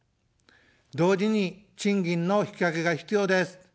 同時に賃金の引き上げが必要です。